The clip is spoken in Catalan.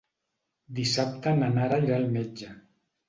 Dissabte na Nara irà al metge.